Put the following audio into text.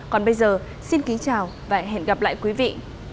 còn bây giờ xin kính chào và hẹn gặp lại quý vị